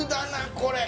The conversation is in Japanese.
これ！